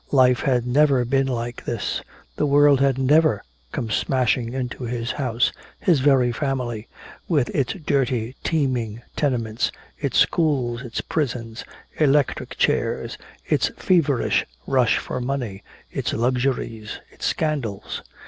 Life had never been like this: the world had never come smashing into his house, his very family, with its dirty teeming tenements, its schools, its prisons, electric chairs, its feverish rush for money, its luxuries, its scandals.